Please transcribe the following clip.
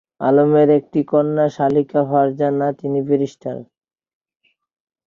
আলমের একটি কন্যা শাকিলা ফারজানা, তিনি ব্যারিস্টার।